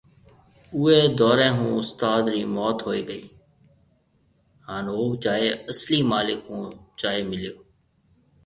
اوئي دئوري ھوناستاد ري موت ھوئي گئي ھان او جائي اصلي مالڪ ھونجائي مليو